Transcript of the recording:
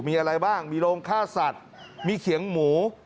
มีอะไรบ้างมีโรงฆ่าสัตว์มีเขียงหมู